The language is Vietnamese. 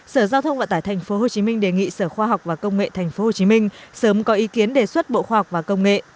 sở giao thông vận tải tp hcm đề nghị sở khoa học và công nghệ tp hcm sớm có ý kiến đề xuất bộ khoa học và công nghệ